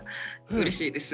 うれしいです。